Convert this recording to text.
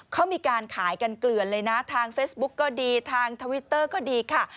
เขามีการขายกันเกลือนเลยนะทางเฟซบุ๊กก็ดีทางทวิตเตอร์ก็ดีค่ะ